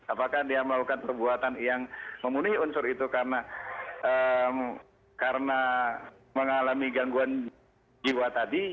apakah dia melakukan perbuatan yang memenuhi unsur itu karena mengalami gangguan jiwa tadi